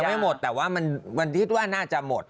ไม่หมดแต่ว่ามันคิดว่าน่าจะหมด